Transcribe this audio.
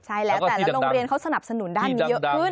ใช่แล้วแต่ละโรงเรียนเขาสนับสนุนด้านนี้เยอะขึ้น